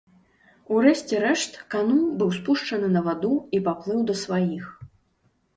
У рэшце рэшт кану быў спушчаны на ваду і паплыў да сваіх.